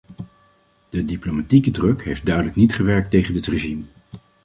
De diplomatieke druk heeft duidelijk niet gewerkt tegen dit regime.